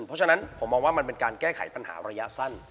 เพราะฉะนั้นผมมองว่ามันเป็นการแก้ไขปัญหาระยะสั้น